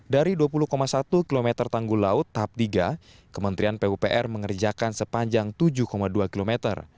dari dua puluh satu km tanggul laut tahap tiga kementerian pupr mengerjakan sepanjang tujuh dua km